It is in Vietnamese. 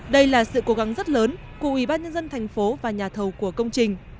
đây là sự cố gắng rất lớn của ủy ban nhân dân thành phố và nhà thầu của công trình